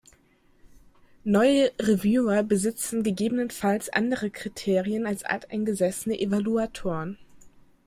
Neue Reviewer besitzen gegebenenfalls andere Kriterien als alteingesessene Evaluatoren.